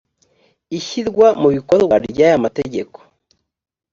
ishyirwa mu ibikorwa ry aya mategeko